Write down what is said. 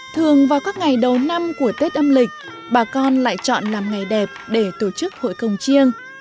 thường vào các ngày đầu năm của tết âm lịch bà con lại chọn làm ngày đẹp để tổ chức hội công chiêng